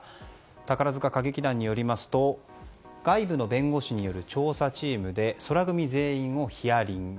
宝塚歌劇団によりますと外部の弁護士による調査チームで宙組全員をヒアリング。